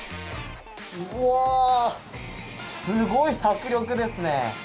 うわ、すごい迫力ですね。